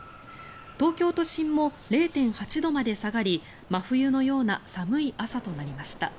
東京都心も０．８度まで下がり真冬のような寒い朝となりました。